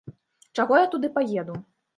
Чаго я туды паеду?